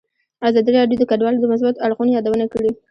ازادي راډیو د کډوال د مثبتو اړخونو یادونه کړې.